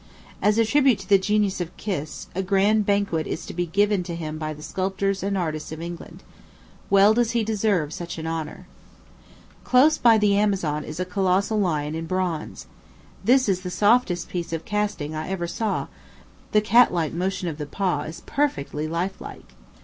As a tribute to the genius of Kiss, a grand banquet is to be given to him by the sculptors and artists of England. Well does he deserve such an honor. Close by the Amazon is a colossal lion in bronze. This is the softest piece of casting I ever saw; the catlike motion of the paw is perfectly lifelike.